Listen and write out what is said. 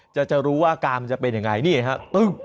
จะรู้ว่าอาการมันจะเป็นยังไงนี่ครับ